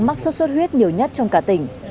mắc suốt suốt huyết nhiều nhất trong cả tỉnh